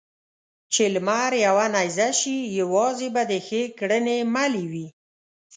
چې لمر يوه نېزه شي؛ يوازې به دې ښې کړنې ملې وي.